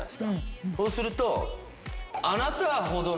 そうすると。